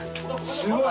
すごい！